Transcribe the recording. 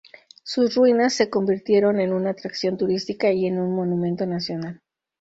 Sus ruinas se convirtieron en una atracción turística y en un Monumento Nacional.